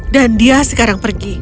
dan dia sekarang pergi